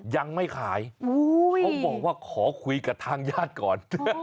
ยังไม่ขายเขาบอกว่าขอคุยกับทางญาติก่อน